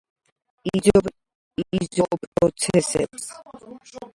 იზოპროცესებს